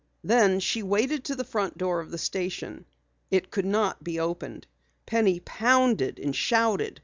Then she waded to the front door of the station. It could not be opened. Penny pounded and shouted.